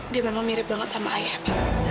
dia memang mirip banget sama ayah pak